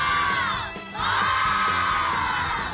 お！